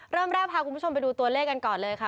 เริ่มแรกพาคุณผู้ชมไปดูตัวเลขกันก่อนเลยค่ะ